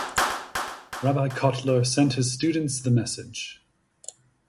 Rabbi Kotler sent his students the message.